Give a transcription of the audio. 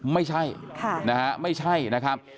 ไม่ใช่ไม่ใช่นะครับ